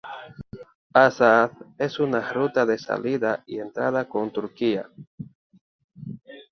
Azaz es una ruta de salida y entrada con Turquía.